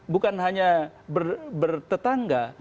bukan hanya bertetangga